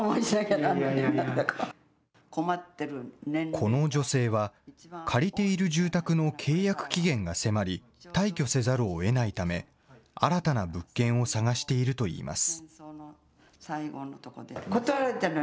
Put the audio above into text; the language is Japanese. この女性は、借りている住宅の契約期限が迫り、退去せざるをえないため、新たな物件を探しているといいます。